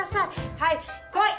はい。来い！